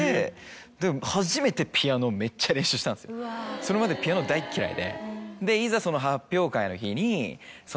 それまでピアノ大嫌いで。